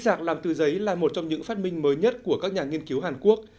dạng làm từ giấy là một trong những phát minh mới nhất của các nhà nghiên cứu hàn quốc